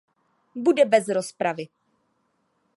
Bude bez rozpravy.